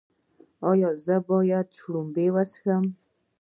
ایا زه باید شړومبې وڅښم؟